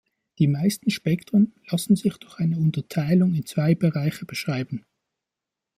Die meisten Spektren lassen sich durch eine Unterteilung in zwei Bereiche beschreiben.